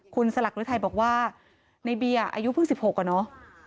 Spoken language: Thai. คุณสลักฤทัยบอกว่าในเบียร์อายุเพิ่ง๑๖อะเนาะ